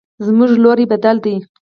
زموږ لوري بدل ده